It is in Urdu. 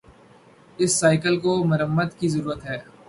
اس سائیکل کو مرمت کی ضرورت ہے